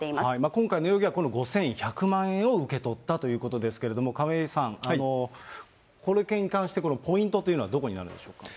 今回の容疑はこの５１００万円を受け取ったということですけれども、亀井さん、この件に関してポイントというのは、どこにあるんでしょうか。